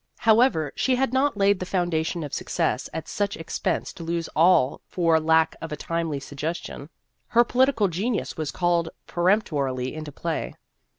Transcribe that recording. However, she had not laid the foundation of success at such ex pense to lose all for lack of a timely sug gestion. Her political genius was called peremptorily into play.